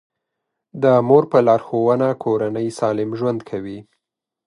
د مور په لارښوونه کورنۍ سالم ژوند کوي.